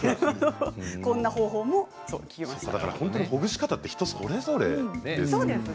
ほぐし方って人それぞれですね。